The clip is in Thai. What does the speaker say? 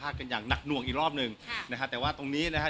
กันอย่างหนักหน่วงอีกรอบหนึ่งนะฮะแต่ว่าตรงนี้นะฮะ